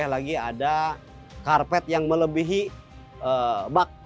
lagi ada karpet yang melebihi bak